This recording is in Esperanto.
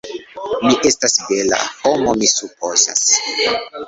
Mi estas bela... homo mi supozas.